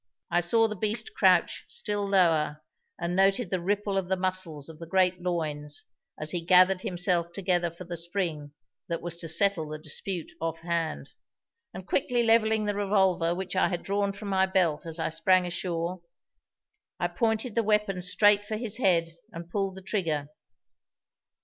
I saw the beast crouch still lower and noted the ripple of the muscles of the great loins as he gathered himself together for the spring that was to settle the dispute off hand, and quickly levelling the revolver which I had drawn from my belt as I sprang ashore, I pointed the weapon straight for his head and pulled the trigger.